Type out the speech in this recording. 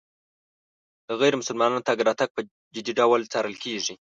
د غیر مسلمانانو تګ راتګ په جدي ډول څارل کېږي.